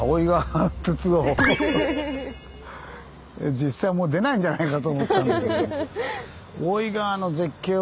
実際もう出ないんじゃないかと思ったんだけど。